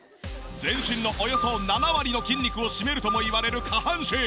全身のおよそ７割の筋肉を占めるともいわれる下半身。